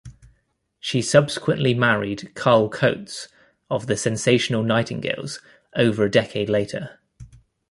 She subsequently married Carl Coates of the Sensational Nightingales over a decade later.